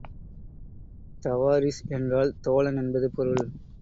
தவாரிஷ் என்றால் தோழன் என்பது பொருள்.